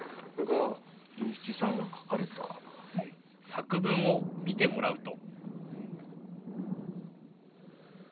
作文を見てもらうと。